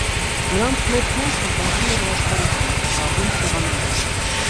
Նրանց մեծ մասն զբաղվում էր վաշխառությամբ, դառնում սեղանավոր։